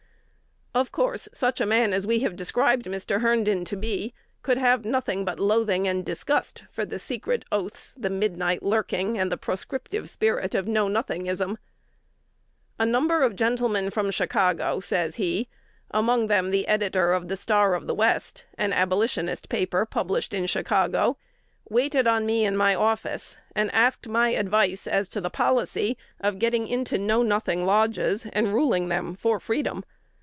Of course such a man as we have described Mr. Herndon to be could have nothing but loathing and disgust for the secret oaths, the midnight lurking, and the proscriptive spirit of Know Nothingism. "A number of gentlemen from Chicago," says he, "among them the editor of 'The Star of the West,' an Abolitionist paper published in Chicago, waited on me in my office, and asked my advice as to the policy of going into Know Nothing Lodges, and ruling them for freedom.